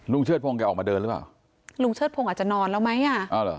ลุงเชิดโพงแกออกมาเดินหรือเปล่าลุงเชิดโพงอาจจะนอนแล้วไหมอ่ะ